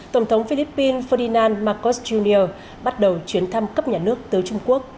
tổng thống philippines ferdinand marcos jr bắt đầu chuyến thăm cấp nhà nước tới trung quốc